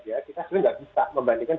ya kita sebenarnya nggak bisa membandingkan